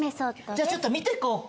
じゃちょっと見てこうか。